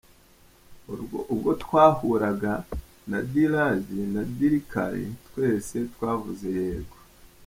Ubwo twahuraga na Dilraj na Dilkar twese twavuze Yego.